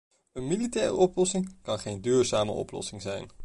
Een militaire oplossing kan geen duurzame oplossing zijn.